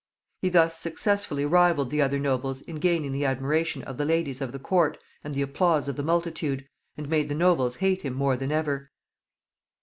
He thus successfully rivaled the other nobles in gaining the admiration of the ladies of the court and the applause of the multitude, and made the nobles hate him more than ever.